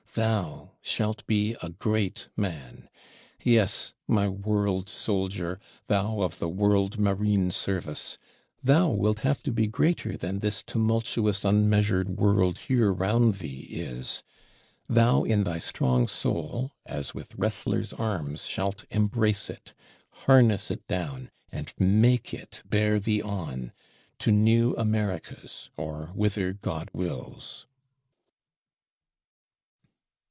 Thou shalt be a great man. Yes, my World Soldier, thou of the World Marine service, thou wilt have to be greater than this tumultuous unmeasured World here round thee is; thou, in thy strong soul, as with wrestler's arms shalt embrace it, harness it down; and make it bear thee on, to new Americas, or whither God wills!